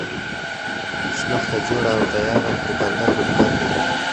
شنخته جوړه او تیاره د دوکاندار په دوکان کې ده.